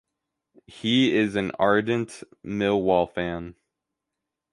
He is an ardent Millwall fan.